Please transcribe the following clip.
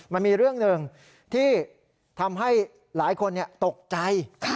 มันมีเรื่องหนึ่งที่ทำให้หลายคนตกใจ